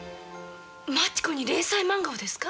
マチ子に連載漫画をですか？